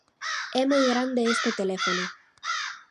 É moi grande este teléfono.